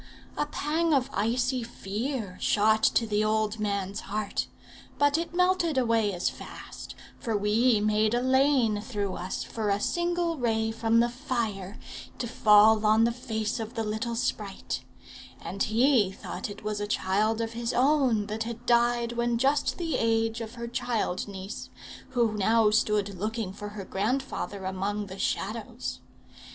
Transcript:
A pang of icy fear shot to the old man's heart, but it melted away as fast, for we made a lane through us for a single ray from the fire to fall on the face of the little sprite; and he thought it was a child of his own that had died when just the age of her child niece, who now stood looking for her grandfather among the Shadows.